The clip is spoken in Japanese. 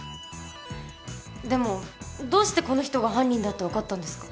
でもどうしてこの人が犯人だってわかったんですか？